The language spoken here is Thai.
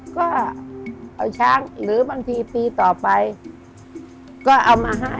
ก็เอาช้างหรือบางทีปีต่อไปก็เอามาให้